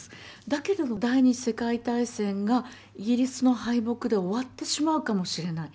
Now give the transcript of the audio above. だけども第二次世界大戦がイギリスの敗北で終わってしまうかもしれない。